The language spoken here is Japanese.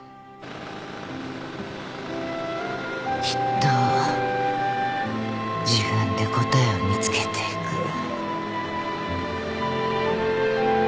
きっと自分で答えを見つけていく。